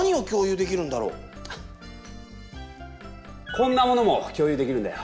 こんなものも共有できるんだよ。